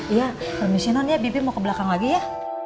iya permisi non ya bebi mau ke belakang lagi ya